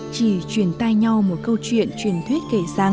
chỉ chuyển tay nhau một câu chuyện truyền thuyết kể rằng